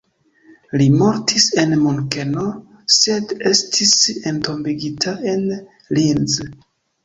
Li mortis en Munkeno, sed estis entombigita en Linz.